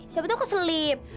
siapa tau keselip